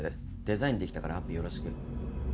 デザインできたからアップよろしく。